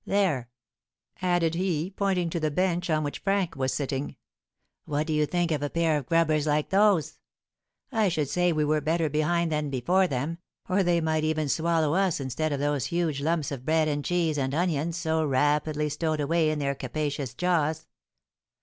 There!" added he, pointing to the bench on which Frank was sitting; "what do you think of a pair of grubbers like those? I should say we were better behind than before them, or they might even swallow us instead of those huge lumps of bread and cheese and onions so rapidly stowed away in their capacious jaws."